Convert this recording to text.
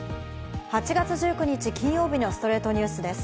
８月１９日、金曜日の『ストレイトニュース』です。